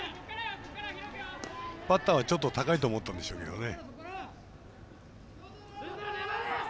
バッターはちょっと高いと思ったんでしょうけどね。